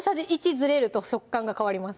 ずれると食感が変わります